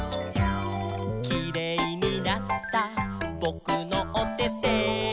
「キレイになったぼくのおてて」